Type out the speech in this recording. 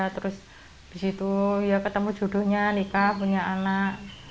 terus habis itu ya ketemu jodohnya nikah punya anak